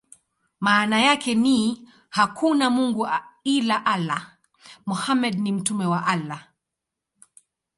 Maana yake ni: "Hakuna mungu ila Allah; Muhammad ni mtume wa Allah".